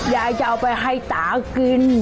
ยายจะเอาไปให้ตากิน